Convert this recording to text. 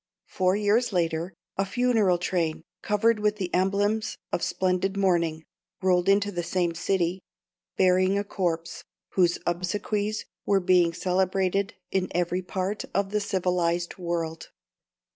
Four years later, a funeral train, covered with the emblems of splendid mourning, rolled into the same city, bearing a corpse, whose obsequies were being celebrated in every part of the civilised world."